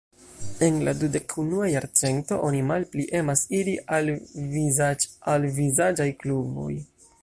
En la dudek-unua jarcento, oni malpli emas iri al vizaĝ-al-vizaĝaj kluboj.